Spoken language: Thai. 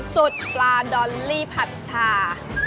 สดปลาดอลลี่ผัดชา